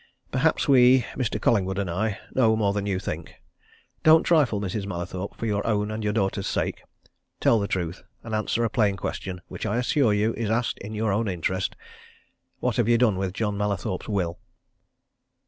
Perhaps we Mr. Collingwood and I know more than you think. Don't trifle, Mrs. Mallathorpe, for your own and your daughter's sake! Tell the truth and answer a plain question, which I assure you, is asked in your own interest. What have you done with John Mallathorpe's will?"